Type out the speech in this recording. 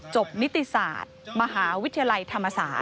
นิติศาสตร์มหาวิทยาลัยธรรมศาสต